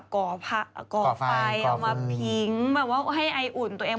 ก่อไฟเอามาผิงแบบว่าให้ไออุ่นตัวเอง